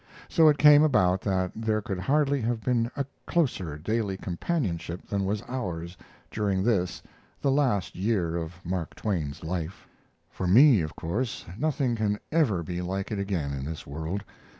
So it came about that there could hardly have been a closer daily companionship than was ours during this the last year of Mark Twain's life. For me, of course, nothing can ever be like it again in this world.